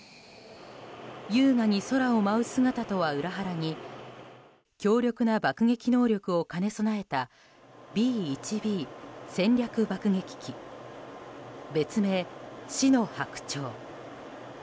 優雅に空を舞う姿とは裏腹に強力な爆撃能力を兼ね備えたＢ１Ｂ戦略爆撃機別名、死の白鳥。